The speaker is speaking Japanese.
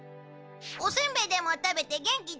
おせんべいでも食べて元気出して！